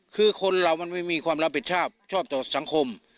คือคนเรามันไม่มีความรับผิดชอบชอบต่อสังคม